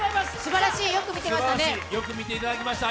すばらしい、よく見てましたね。